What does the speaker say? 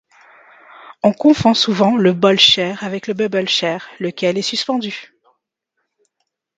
On confond souvent le Ball Chair avec le Bubble Chair, lequel est suspendu.